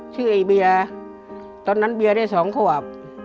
ชื่อไอ้เบียร์ตอนนั้นเบียร์ได้สองขวับ